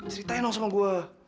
ceritain dong sama gue